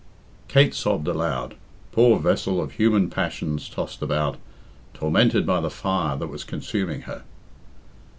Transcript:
Kate sobbed aloud poor vessel of human passions tossed about, tormented by the fire that was consuming her.